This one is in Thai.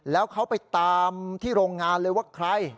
แล้วเขาไปตามที่โรงงานเลยว่าใคร